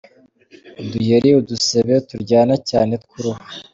Uduheri ,udusebe turyana cyane tw’uruhu,.